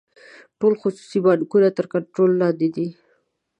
ټول خصوصي بانکونه تر کنټرول لاندې دي.